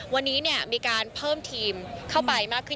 วันนี้มีการเพิ่มทีมเข้าไปมากขึ้น